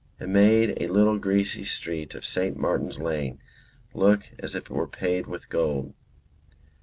It made a little greasy street of St. Martin's Lane look as if it were paved with gold.